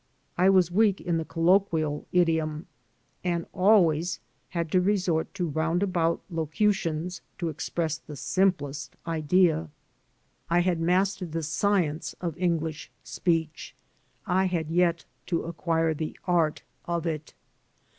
I was weak in the colloquial idiom, and always had to resort to roundabout locutions to express the simplest idea. THE AMERICAN AS HE IS I had mastered the science of English speech; I had yet to acquire the art of it.